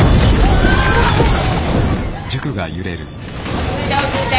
落ち着いて落ち着いて！